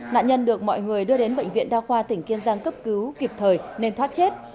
nạn nhân được mọi người đưa đến bệnh viện đa khoa tỉnh kiên giang cấp cứu kịp thời nên thoát chết